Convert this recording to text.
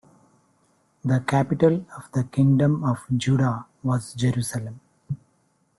The capital of the Kingdom of Judah was Jerusalem.